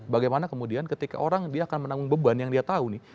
bagaimana kemudian ketika orang dia akan menanggung beban yang dia tahu nih